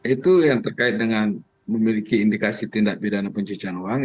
itu yang terkait dengan memiliki indikasi tindak bidang dan penciptaan uang